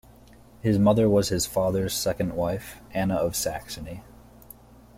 His mother was his father's second wife, Anna of Saxony.